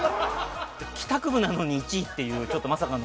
帰宅部なのに１位という、まさかの。